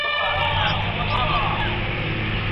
په تېر وخت کي اقتصادي شرايط د بدلون په حال کي وو.